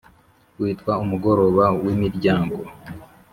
witwa umugoroba w’imiryango